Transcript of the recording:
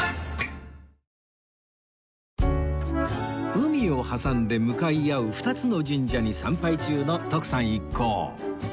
海を挟んで向かい合う２つの神社に参拝中の徳さん一行